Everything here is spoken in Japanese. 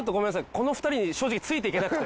この２人に正直ついていけなくて。